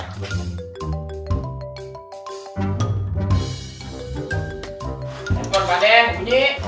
handphone pada bunyi